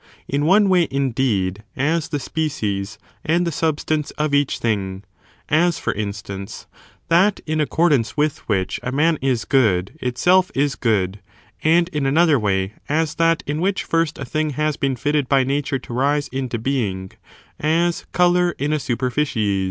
In one way, indeed, as the species fined as fonn jI l lx i» tlat.' i»*I and matter. and the substance of each thing ; as, for instance^ that in accordance with which a man is good, itself is good; and, in another way, as that in which first a thing has been fitted by nature to rise into being, as colour in a superficies.